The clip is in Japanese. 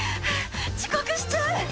遅刻しちゃう！